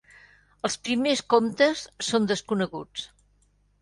Els primers comtes són desconeguts.